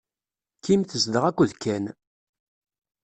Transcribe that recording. Kim tezdeɣ akked Ken.